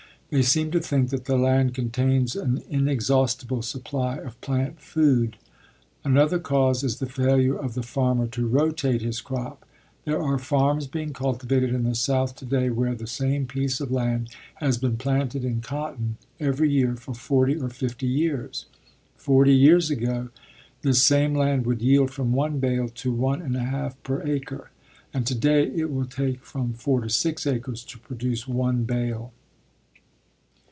They seem to think that the land contains an inexhaustible supply of plant food. Another cause is the failure of the farmer to rotate his crop. There are farms being cultivated in the South today where the same piece of land has been planted in cotton every year for forty or fifty years. Forty years ago, this same land would yield from one bale to one and a half per acre. And today it will take from four to six acres to produce one bale.